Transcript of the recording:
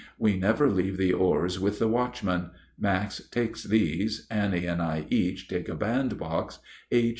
We never leave the oars with the watchman; Max takes these, Annie and I each take a band box, H.